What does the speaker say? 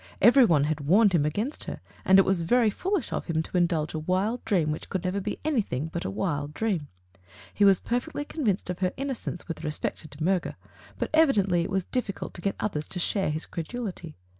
Everyone had warned him against her, and it was very foolish of him to indulge a wild dream which could never be anything but a wild dream. He was perfectly convinced of her innocence with respect to De Miirger, but evidently it was diffi cult to get others to share his credulity.